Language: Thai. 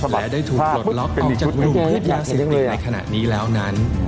และได้ถูกหลดล็อคออกจากกลุ่มเพศยาสิทธิ์ในขณะนี้แล้วนั้น